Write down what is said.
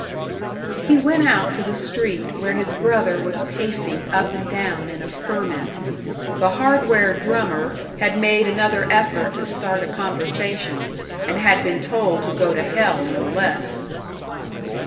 He went out to the street, where his brother was pacing up and down in a ferment. The "hardware drummer" had made another effort to start a conversation, and had been told to go to hell no less!